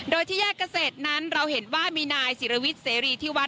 โดยที่แยกเกษตรนั้นเราเห็นว่ามีนายศิรวิทย์เสรีที่วัด